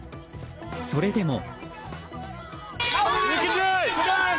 それでも。